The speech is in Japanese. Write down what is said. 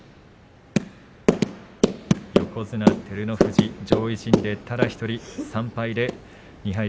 横綱照ノ富士上位陣でただ１人、３敗で２敗